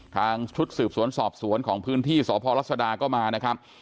ทางชุดสืบสวนสอบสวนของพื้นที่สพรัศดาก็มานะครับ